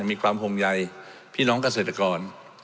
มีความห่วงใยพี่น้องเกษตรกร